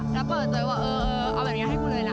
แล้วเปิดใจว่าเออเอาแบบนี้ให้กูเลยนะ